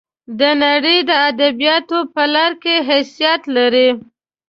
د نړۍ د ادبیاتو په لار کې حیثیت لري.